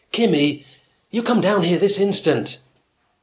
"Kimmy! You come down here this instant!"